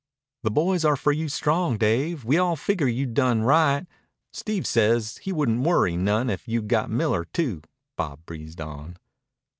"The boys are for you strong, Dave. We all figure you done right. Steve he says he wouldn't worry none if you'd got Miller too," Bob breezed on.